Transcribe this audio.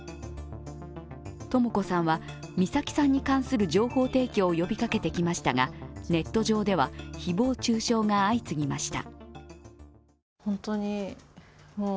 とも子さんは美咲さんに関する情報提供を呼びかけてきましたがネット上では誹謗中傷が相次ぎました。